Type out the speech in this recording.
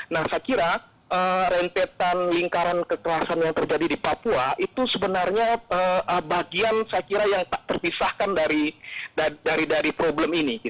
nah saya kira rentetan lingkaran kekerasan yang terjadi di papua itu sebenarnya bagian saya kira yang tak terpisahkan dari problem ini